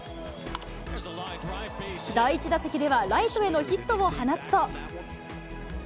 第１打席では、ライトへのヒットを放つと。